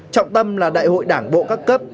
trọng tâm là đại hội đảng bộ các cấp